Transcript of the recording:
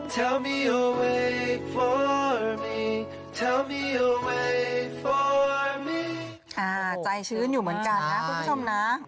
ใจชื้นอยู่เหมือนกันนะคุณผู้ชมนะ